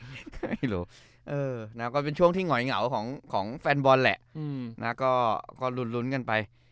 ไม่รู้เออนะก็เป็นช่วงที่หงอยเหงาของของแฟนบอลแหละอืมนะก็ก็รุนรุนกันไป